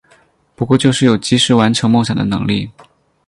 不过就是有及时完成梦想的能力